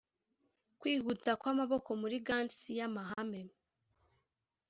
kwihuta kwamaboko muri gants ya mahame